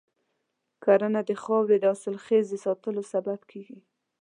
کرنه د خاورې د حاصلخیز ساتلو سبب کېږي.